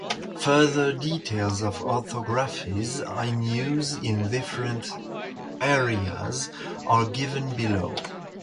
Further details of orthographies in use in different areas are given below.